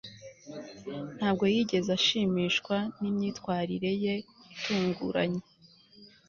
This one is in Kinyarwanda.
ntabwo yigeze ashimishwa nimyitwarire ye itunguranye